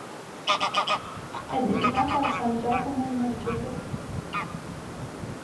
È dedicata a san Giacomo il Maggiore.